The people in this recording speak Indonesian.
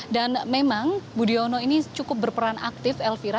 dan memang budi ono ini cukup berperan aktif elvira